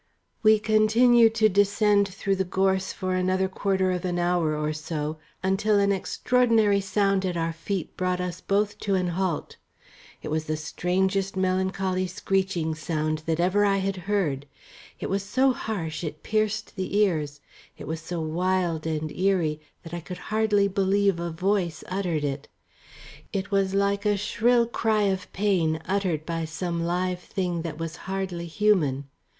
We continued to descend through the gorse for another quarter of an hour or so until an extraordinary sound at our feet brought us both to an halt. It was the strangest melancholy screeching sound that ever I had heard: it was so harsh it pierced the ears; it was so wild and eerie that I could hardly believe a voice uttered it. It was like a shrill cry of pain uttered by some live thing that was hardly human.